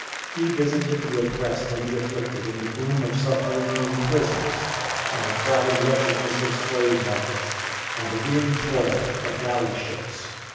He visited the oppressed and the afflicted in the gloom of subterranean prisons, and the crowded wretchedness of slave markets, and the weary toil of galley ships.